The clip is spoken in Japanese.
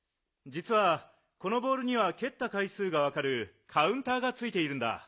じつはこのボールにはけったかいすうがわかるカウンターがついているんだ。